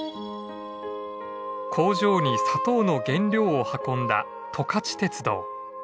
工場に砂糖の原料を運んだ十勝鉄道。